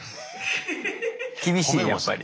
厳しいやっぱり。